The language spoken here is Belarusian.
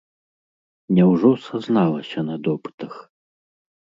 Няўжо сазналася на допытах?